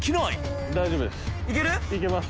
大丈夫です。